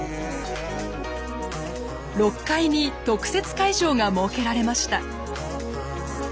６階に特設会場が設けられました。